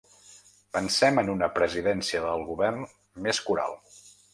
Pensem en una presidència del govern més coral.